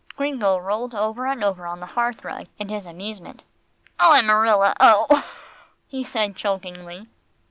Gringo rolled over and over on the hearth rug, in his amusement. "Oh! Amarilla! Oh!" he said chokingly.